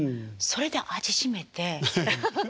それで味しめてハハハ。